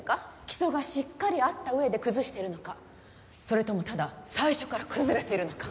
基礎がしっかりあった上で崩しているのかそれともただ最初から崩れているのか。